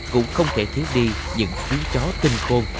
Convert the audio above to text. cũng không thể thiếu đi những chú chó tinh khôn